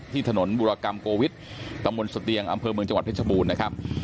ถนนบุรกรรมโกวิทย์ตำบลสเตียงอำเภอเมืองจังหวัดเพชรบูรณ์นะครับ